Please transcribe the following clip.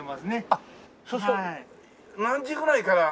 あっそうすると何時ぐらいから？